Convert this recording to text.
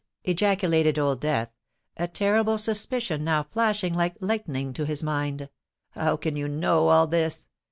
ejaculated Old Death, a terrible suspicion now flashing like lightning to his mind: "how can you know all this?